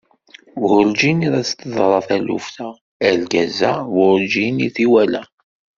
Werǧin i as-d-teḍra taluft-a, argaz-a werǧin i t-iwala!